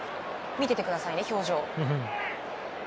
見ててくださいね、表情。